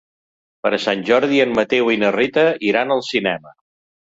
Per Sant Jordi en Mateu i na Rita iran al cinema.